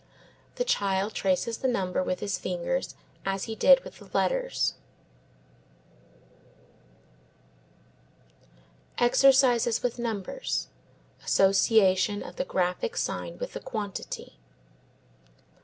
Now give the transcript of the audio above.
The child traces the number with his finger as he did the letters. Exercises with Numbers. Association of the graphic sign with the quantity.